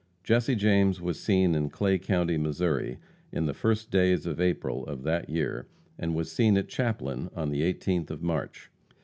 Jesse James was seen in Clay county, Missouri, in the first days of April of that year, and was seen at Chaplin on the 18th of March.